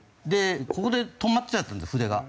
ここで止まっちゃったんです筆が。